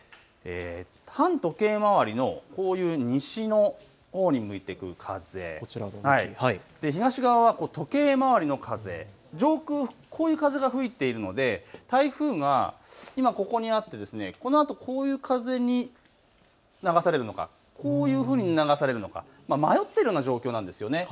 反時計回りの西のほうに向いてくる風、東側は時計回りの風、上空こういう風が吹いているので台風が今ここにあって、このあとこういう風に流されるのか、こういうふうに流されるのか、迷っているような状況なんです。